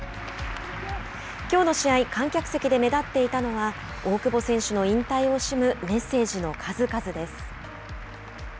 きょうの試合、観客席で目立っていたのは大久保選手の引退を惜しむメッセージの数々です。